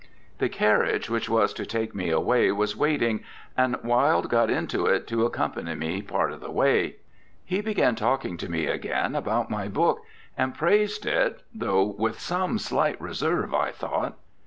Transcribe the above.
The carriage which was to take me away was waiting, and Wilde got into it to accompany me part of the way. He began talking to me again about my book, and praised it, though with some slight reserve, I thought.